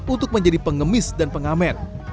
untuk menjadi pengemis dan pengamen